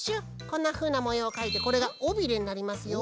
こんなふうなもようをかいてこれがおびれになりますよ。